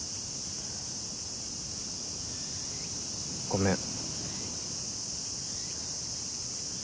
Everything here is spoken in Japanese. ごめん。